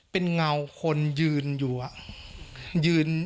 เป็นเงาคนยืนอยู่อะ